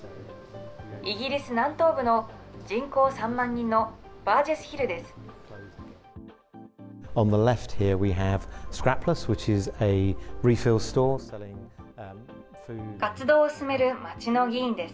イギリス南東部の人口３万人のバージェス・ヒルです。